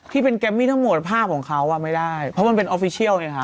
ที่เป็นแกมิถภาพผราบของเขาว่าไม่ได้เพราะมันเป็นออฟิเชียร์